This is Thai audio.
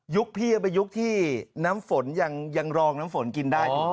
ยุคพี่เอาไปยุคที่น้ำฝนยังรองน้ำฝนกินได้